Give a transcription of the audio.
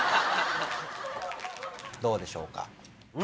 どうでしょうか？